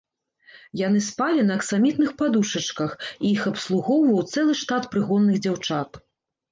Яны спалі на аксамітных падушачках, і іх абслугоўваў цэлы штат прыгонных дзяўчат.